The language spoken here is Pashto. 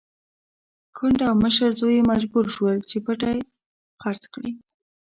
کونډه او مشر زوی يې مجبور شول چې پټی خرڅ کړي.